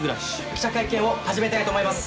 記者会見を始めたいと思います。